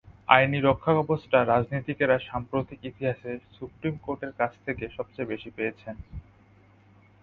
আইনি রক্ষাকবচটা রাজনীতিকেরা সাম্প্রতিক ইতিহাসে সুপ্রিম কোর্টের কাছ থেকে সবচেয়ে বেশি পেয়েছেন।